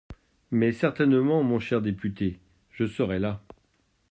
Mais certainement, mon cher député, je serai là.